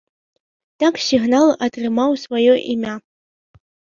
Так сігнал атрымаў сваё імя.